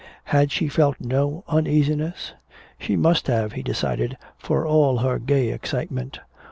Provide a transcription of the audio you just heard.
Had she felt no uneasiness? She must have, he decided, for all her gay excitement.